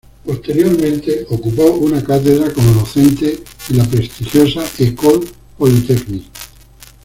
Posteriormente, ocupó una cátedra como docente en la prestigiosa École polytechnique.